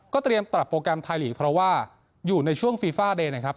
เตรียมปรับโปรแกรมไทยลีกเพราะว่าอยู่ในช่วงฟีฟ่าเดย์นะครับ